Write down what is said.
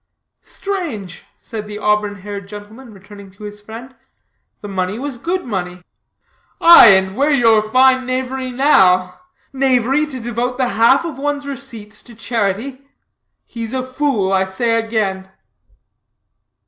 "Strange," said the auburn haired gentleman, returning to his friend, "the money was good money." "Aye, and where your fine knavery now? Knavery to devote the half of one's receipts to charity? He's a fool I say again."